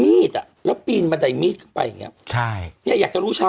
มีดอ่ะแล้วปีนบันไดมีดมาก็ไปอย่างเงี้ยใช่อยากจะรู้ชาว